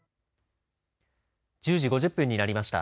１０時５０分になりました。